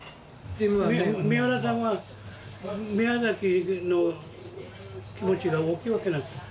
三浦さんは宮崎の気持ちが大きいわけなんですよ。